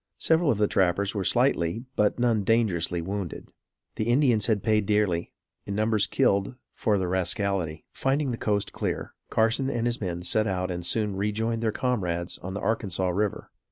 Several of the trappers were slightly, but none dangerously, wounded. The Indians had paid dearly, in numbers killed, for their rascality. Finding the coast clear, Carson and his men set out and soon rejoined their comrades on the Arkansas River.